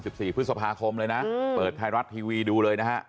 สิบสี่พฤษภาคมเลยนะเปิดไทยรัฐทีวีดูเลยนะฮะ